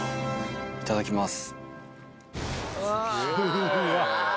いただきます。